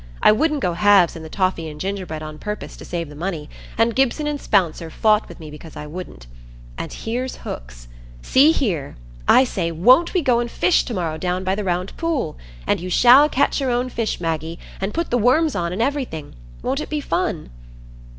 I wouldn't go halves in the toffee and gingerbread on purpose to save the money; and Gibson and Spouncer fought with me because I wouldn't. And here's hooks; see here—I say, won't we go and fish to morrow down by the Round Pool? And you shall catch your own fish, Maggie and put the worms on, and everything; won't it be fun?"